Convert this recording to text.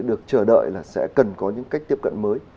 được chờ đợi là sẽ cần có những cách tiếp cận mới